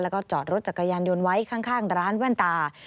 แล้วก็จอดรถจักรยานยนต์ไว้ข้างร้านแว่นตา